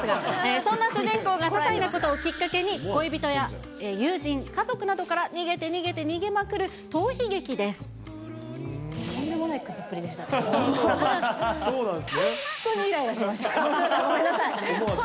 そんな主人公がささいなことをきっかけに、恋人や友人、家族などから逃げて逃げて逃げまくる逃避劇です。